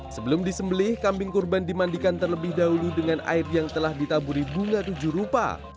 sebelum disembelih kambing kurban dimandikan terlebih dahulu dengan air yang telah ditaburi bunga tujuh rupa